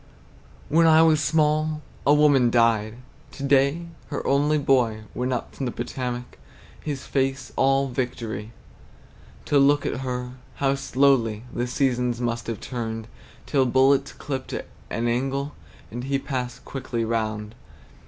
When I was small, a woman died. To day her only boy Went up from the Potomac, His face all victory, To look at her; how slowly The seasons must have turned Till bullets clipt an angle, And he passed quickly round!